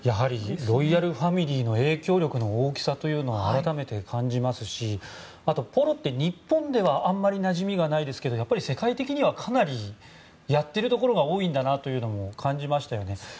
ロイヤルファミリーの影響力の大きさを改めて感じますしあと、ポロって日本ではあまりなじみがないですけど世界的にはかなりやっているところが多いんだなというのを感じましたよね。